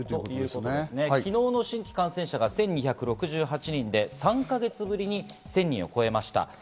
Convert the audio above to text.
昨日の新規感染者が１２６８人で３か月ぶりに１０００人を超えました。